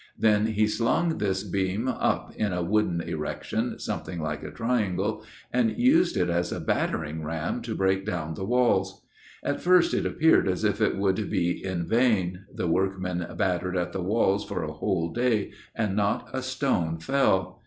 Then he slung this beam up in a wooden erection, something like a triangle, and used it as a battering ram to break down the walls. At first it appeared as if it would be in vain. The workmen battered at the walls for a whole day, and not a stone fell.